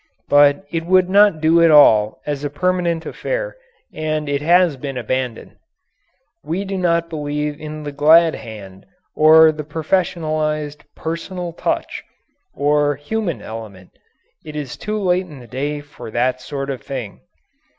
But it would not do at all as a permanent affair and it has been abandoned. We do not believe in the "glad hand," or the professionalized "personal touch," or "human element." It is too late in the day for that sort of thing.